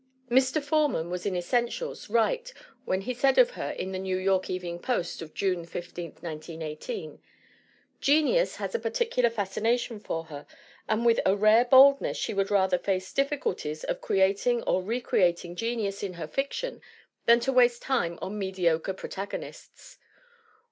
Mr. Forman was in essentials right when he said of her in the New York Evening Post of June 15, 1918: "Genius has a particular fascination for her, and with a rare boldness she would rather face difficulties of creating or re creating genius in her fiction than to waste time on mediocre protagonists.